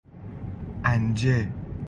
عنجه